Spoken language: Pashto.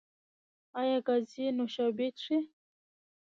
ایا ګازي نوشابې څښئ؟